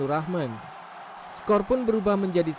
dan akhirnya di satu skor pun berubah menjadi satu